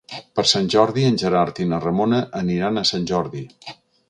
Per Sant Jordi en Gerard i na Ramona aniran a Sant Jordi.